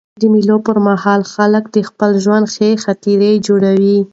د مېلو پر مهال خلک د خپل ژوند ښې خاطرې جوړوي.